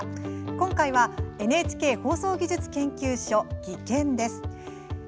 今回は「ＮＨＫ放送技術研究所」、技研です。